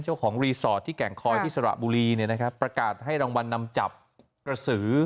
เจ้าของรีสอร์ทที่แก่งคอยที่สระบุรีเนี่ยนะครับประกาศให้รางวัลนำจับกระสือ